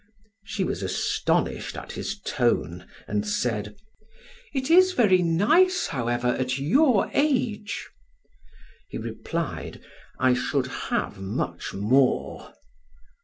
She was astonished at his tone, and said: "It is very nice, however, at your age." He replied: "I should have much more."